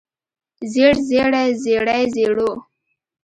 زېړ زېړه زېړې زېړو